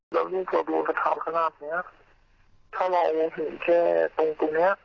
แล้วจิตกัดอุ้นหรือจะฆ่ากัน